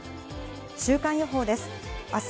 週間予報です。